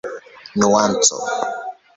nuanco